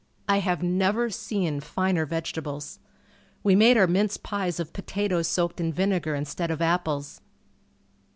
I have never seen finer vegetables. We made our mince pies of potatoes soaked in vinegar instead of apples.